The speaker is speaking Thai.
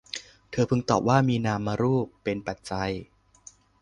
เธอพึงตอบว่า มีนามรูป เป็นปัจจัย